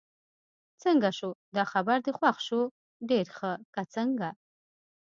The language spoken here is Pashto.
څنګه شو، دا خبر دې خوښ شو؟ ډېر ښه، که څنګه؟